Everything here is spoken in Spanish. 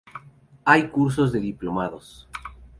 Hay cursos de Diplomados.